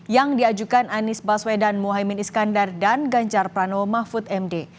yang diajukan anies baswedan muhaymin iskandar dan ganjar pranowo mahfud md